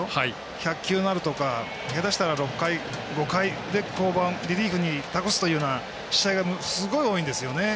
１００球とか、６回、５回で降板、リリーフに託すというような試合がすごい多いんですよね。